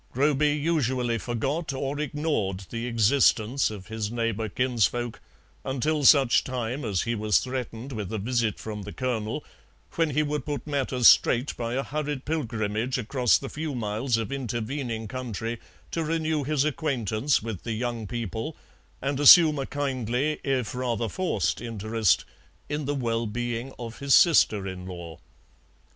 Groby usually forgot or ignored the existence of his neighbour kinsfolk until such time as he was threatened with a visit from the Colonel, when he would put matters straight by a hurried pilgrimage across the few miles of intervening country to renew his acquaintance with the young people and assume a kindly if rather forced interest in the well being of his sister in law.